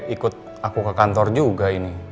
ikut aku ke kantor juga ini